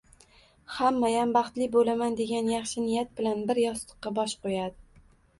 Hammayam “Baxtli bo‘laman”, degan yaxshi niyat bilan bir yostiqqa bosh qo‘yadi.